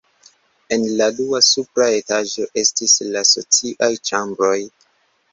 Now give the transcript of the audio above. En la dua supra etaĝo estis la sociaj ĉambroj.